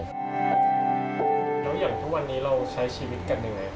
แล้วอย่างทุกวันนี้เราใช้ชีวิตกันยังไง